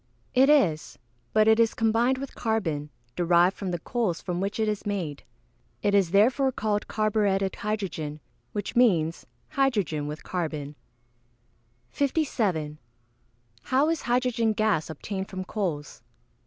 _ It is; but it is combined with carbon, derived from the coals from which it is made. It is therefore called carburetted hydrogen, which means hydrogen with carbon. 57. _How is hydrogen gas obtained from coals?